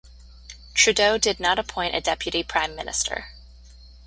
Trudeau did not appoint a deputy prime minister.